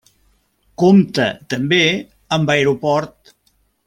Compta també amb aeroport.